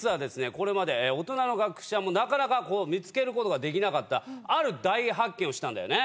これまで大人の学者もなかなかこう見つけることができなかったある大発見をしたんだよね？